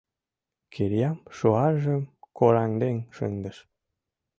Кирьям шуаржым кораҥден шындыш.